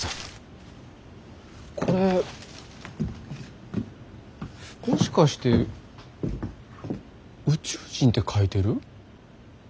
これもしかして「宇宙人」って書いてる？